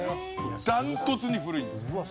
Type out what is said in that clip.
断トツに古いんです。